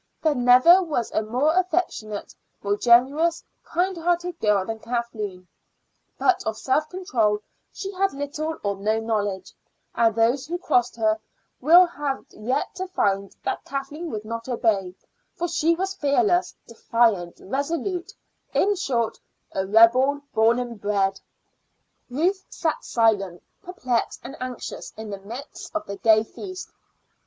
There never was a more affectionate, more generous hearted girl than Kathleen; but of self control she had little or no knowledge, and those who crossed her will had yet to find that Kathleen would not obey, for she was fearless, defiant, resolute in short, a rebel born and bred. Ruth sat silent, perplexed, and anxious in the midst of the gay feast.